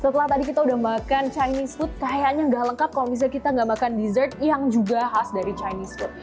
setelah tadi kita udah makan chinese food kayaknya nggak lengkap kalau misalnya kita nggak makan dessert yang juga khas dari chinese food